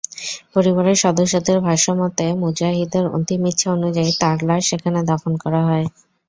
পরিবারের সদস্যদের ভাষ্যমতে, মুজাহিদের অন্তিম ইচ্ছা অনুযায়ী তাঁর লাশ সেখানে দাফন করা হয়।